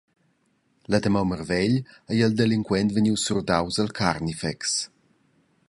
La damaun marvegl ei il delinquent vegnius surdaus al carnifex.